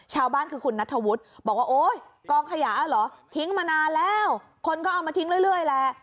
ชาวบ้านคือคุณนัทธวุฒิบอกว่าโอ๊ยกองขยะเหรอทิ้งมานานแล้วคนก็เอามาทิ้งเรื่อยแหละ